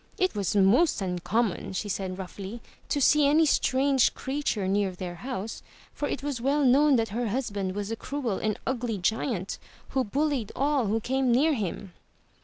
It was most uncommon, she said roughly, to see any strange creature near their house, for it was well known that her husband was a cruel and ugly giant who bullied all who came near him.